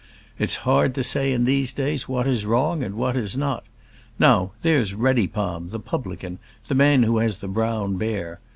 It's hard to say in these days what is wrong and what is not. Now, there's Reddypalm, the publican, the man who has the Brown Bear.